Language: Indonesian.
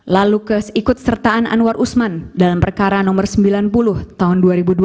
lalu keikut sertaan anwar usman dalam perkara nomor sembilan puluh tahun dua ribu dua puluh